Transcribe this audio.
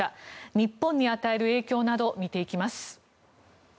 日本に与える影響などを見ていきます。